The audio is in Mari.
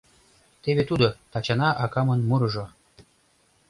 Теве тудо, Тачана акамын мурыжо: